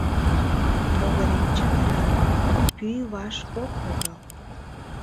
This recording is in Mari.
Могырем чытыра, пӱй ваш ок логал.